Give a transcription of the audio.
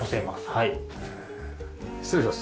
はい。